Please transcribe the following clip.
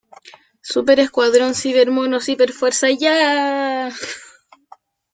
Súper Escuadrón Ciber Monos Hiper Fuerza ¡Ya!